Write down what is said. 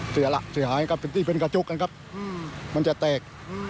เสียหายจนดีเป็นกระจุกกันครับมันจะแตก